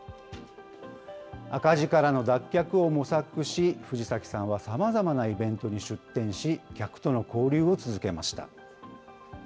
赤字からの脱却を模索し、藤崎さんはさまざまなイベントに出店し、客との交流を続けました。